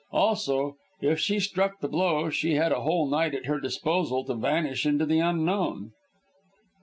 Also, if she struck the blow she had a whole night at her disposal to vanish into the unknown."